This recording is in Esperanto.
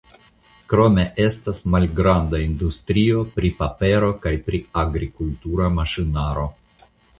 Krome estas malgranda industrio pri papero kaj pri agrikultura maŝinaro.